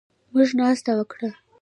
موږ ناسته وکړه